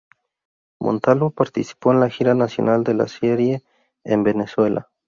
Montalvo, participó en la gira nacional de la serie en Venezuela.